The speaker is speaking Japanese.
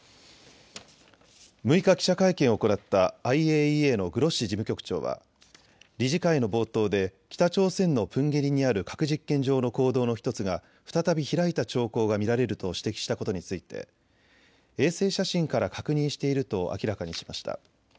６日、記者会見を行ったＩＡＥＡのグロッシ事務局長は理事会の冒頭で北朝鮮のプンゲリにある核実験場の坑道の１つが再び開いた兆候が見られると指摘したことについて衛星写真から確認していると明らかにしました。